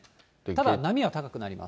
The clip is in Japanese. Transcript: ただ、波は高くなります。